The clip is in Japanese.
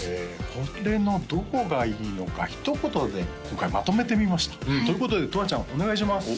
これのどこがいいのかひと言で今回まとめてみましたということでとわちゃんお願いします